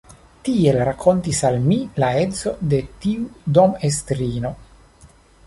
Tiel rakontis al mi la edzo de tiu dom-estrino.